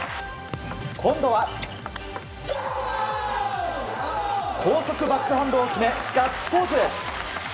今度は高速バックハンドを決めガッツポーズ！